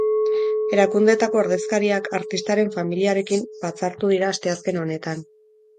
Erakundeetako ordezkariak artistaren familiarekin batzartu dira asteazken honetan.